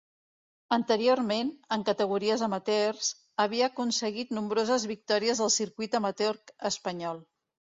Anteriorment, en categories amateurs, havia aconseguit nombroses victòries del circuit amateur espanyol.